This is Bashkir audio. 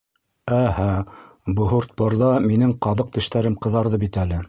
— Әһә, Бһуртпорҙа минең ҡаҙыҡ тештәрем ҡыҙарҙы битәле!